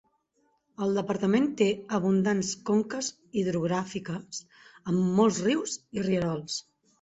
El departament té abundants conques hidrogràfiques, amb molts rius i rierols.